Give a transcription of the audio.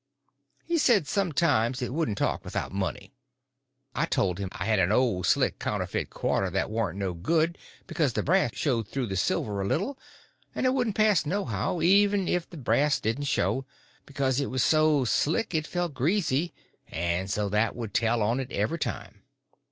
He said sometimes it wouldn't talk without money. I told him I had an old slick counterfeit quarter that warn't no good because the brass showed through the silver a little, and it wouldn't pass nohow, even if the brass didn't show, because it was so slick it felt greasy, and so that would tell on it every time.